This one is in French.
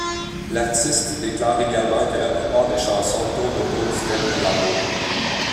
L'artiste déclare également que la plupart des chansons tournent autour du thème de l'amour.